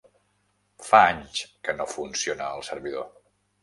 Fa anys que no funciona el servidor.